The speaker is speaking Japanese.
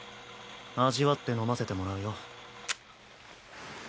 味わって飲ませてもらうよ。